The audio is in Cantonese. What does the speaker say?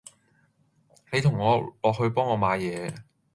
你同我落去幫我買嘢